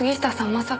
まさか。